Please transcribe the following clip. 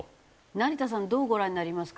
成田さんどうご覧になりますか？